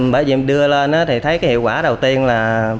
bởi vì đưa lên thì thấy cái hiệu quả đầu tiên là